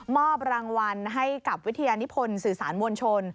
รางวัลให้กับวิทยานิพลสื่อสารมวลชน